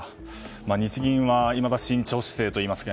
日銀はいまだ慎重姿勢といいますか。